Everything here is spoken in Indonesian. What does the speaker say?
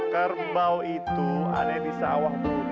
kerbau itu ada di sawah